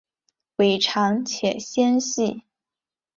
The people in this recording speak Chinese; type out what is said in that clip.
尾长且纤细。